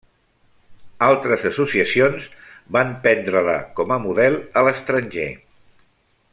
Altres associacions van prendre-la com a model a l'estranger.